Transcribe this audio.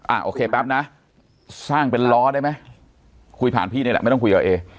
โอเคแป๊บนะสร้างเป็นล้อได้ไหมคุยผ่านพี่นี่แหละไม่ต้องคุยกับเอ